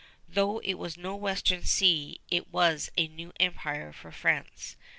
Though it was no Western Sea, it was a new empire for France.